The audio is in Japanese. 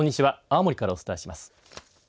青森からお伝えします。